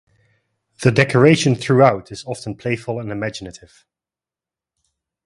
The decoration throughout is often playful and imaginative.